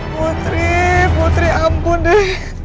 putri putri ampun deh